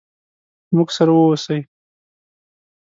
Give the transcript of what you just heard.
موږ سره ووسئ.